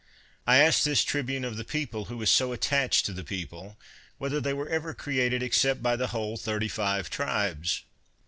I ask this tribune of the people, who is so attached to the people, whether they were ever created except by the whole thirty five tribes?